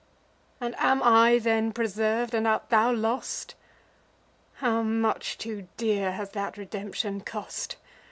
And am I then preserv'd, and art thou lost? How much too dear has that redemption cost!